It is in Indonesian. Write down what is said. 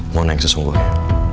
mona yang sesungguhnya